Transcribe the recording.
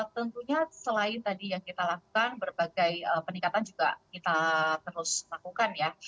tentunya selain tadi yang kita lakukan berbagai peningkatan juga kita terus lakukan ya